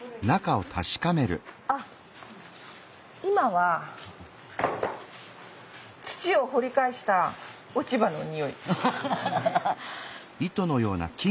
あ今は土を掘り返した落ち葉のにおい。